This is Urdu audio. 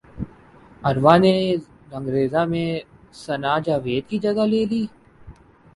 عروہ نے رنگریزا میں ثناء جاوید کی جگہ لے لی